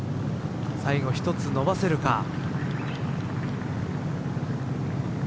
最後、１つ伸ばせるか。